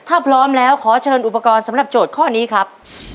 ถ้าพร้อมแล้วขอเชิญอุปกรณ์สำหรับโจทย์ข้อนี้ครับ